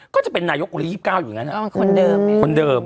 ก็จะเป็นนายกรี๒๙อยู่อย่างนั้นคนเดิม